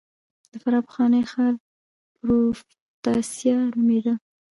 د فراه پخوانی ښار پروفتاسیا نومېده